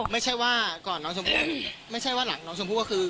ไม่ใช่ว่าก่อนน้องชมพู่ไม่ใช่ว่าหลังน้องชมพู่ก็คือ